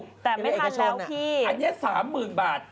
แต่ไม่ทันแล้วที่อันนี้๓หมื่นบาท